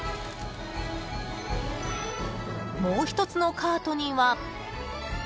［もう１つのカートには］